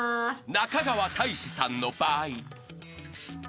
［中川大志さんの場合］